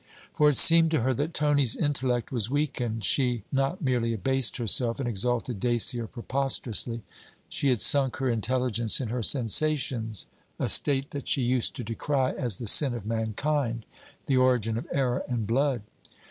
For it seemed to her that Tony's intellect was weakened. She not merely abased herself and exalted Dacier preposterously, she had sunk her intelligence in her sensations: a state that she used to decry as the sin of mankind, the origin of error and blood.